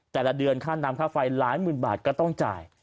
แต่ละเดือนค่าน้ำค่าไฟหลายหมื่นบาทก็ต้องจ่าย